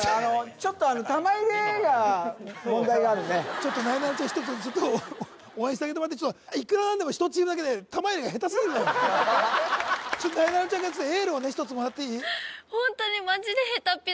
ちょっとちょっとなえなのちゃん１つちょっと応援してあげてもらっていくらなんでも１チームだけねなえなのちゃんからちょっとエールを１つもらっていい？